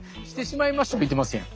言うてますやん。